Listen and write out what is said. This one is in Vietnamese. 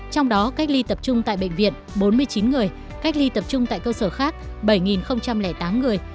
trong đó cách ly tập trung tại bệnh viện bốn mươi chín người cách ly tập trung tại cơ sở khác bảy tám người